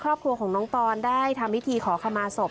ครอบครัวของน้องปอนได้ทำพิธีขอขมาศพ